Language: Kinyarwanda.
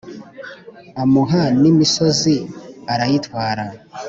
amuha n' imisozi arayitwara.